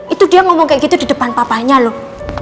itu dia ngomong kayak gitu di depan papanya loh